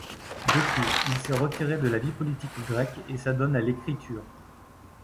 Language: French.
Depuis, il s'est retiré de la vie politique grecque et s'adonne à l'écriture.